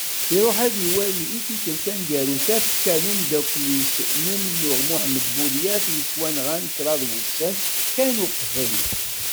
Iṛuḥ, ad iwali i tikkelt taneggarut tafekka n umeddakkel-is n umennuɣ Muḥemmed Buḍyaf i yettwanɣan kraḍ wussan kan uqbel.